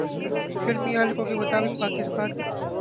فلمی حلقوں کے مطابق پاکستان